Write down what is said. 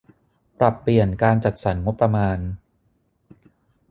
ปรับเปลี่ยนการจัดสรรงบประมาณ